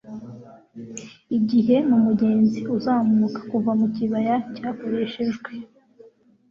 igihe, mumugenzi uzamuka, kuva mukibaya cyakoreshejwe